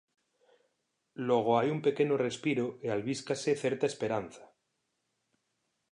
Logo hai un pequeno respiro e albíscase certa esperanza.